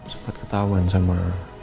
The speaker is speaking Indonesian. sepat ketahuan sama